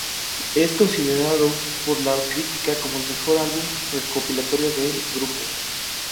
Es considerado por la critica como el mejor álbum recopilatorio del grupo.